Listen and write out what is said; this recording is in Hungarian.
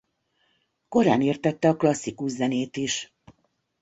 Korán értette a klasszikus zenét is.